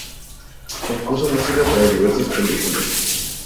Compuso música para diversas películas.